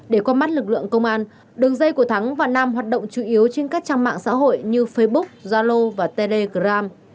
để qua mắt lực lượng công an đường dây của thắng và nam hoạt động chủ yếu trên các trang mạng xã hội như facebook zalo và telegram